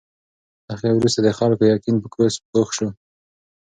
له هغې وروسته د خلکو یقین په کورس پوخ شو.